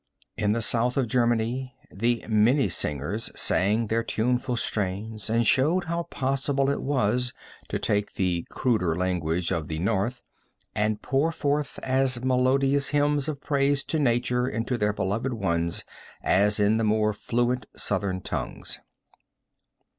In the South of Germany the Minnesingers sang their tuneful strains and showed how possible it was to take the cruder language of the North, and pour forth as melodious hymns of praise to nature and to their beloved ones as in the more fluent Southern tongues.